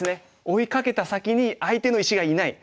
追いかけた先に相手の石がいない。